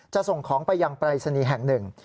จะส่งของไปยังปรายสนีแห่ง๑